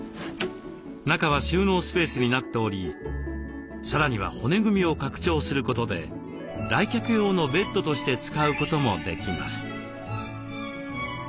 中は収納スペースになっておりさらには骨組みを拡張することで来客用のベッドとして使うこともできます。